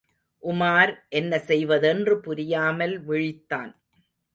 உமார் என்ன செய்வதென்று புரியாமல் விழித்தான்.